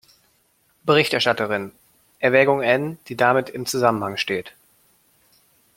Berichterstatterin. Erwägung N, die damit im Zusammenhang steht.